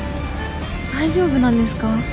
大丈夫なんですか？